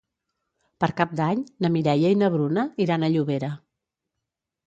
Per Cap d'Any na Mireia i na Bruna iran a Llobera.